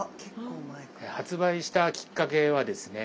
発売したきっかけはですね